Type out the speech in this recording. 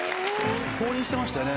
降臨してましたよね